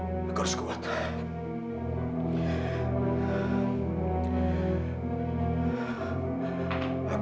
aku prestasi assessment selanjutnya langsung